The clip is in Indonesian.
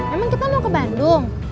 emang kita mau ke bandung